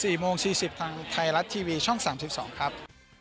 สี่โมงสี่สิบทางไทยรัฐทีวีช่องสามสิบสองครับ